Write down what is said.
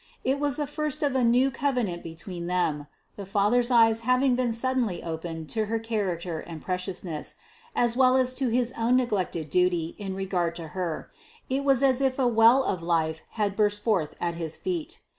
It was the first of a new covenant between them. The father's eyes having been suddenly opened to her character and preciousness, as well as to his own neglected duty in regard to her, it was as if a well of life had burst forth at his feet.